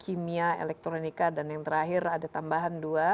kimia elektronika dan yang terakhir ada tambahan dua